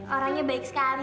orangnya baik sekali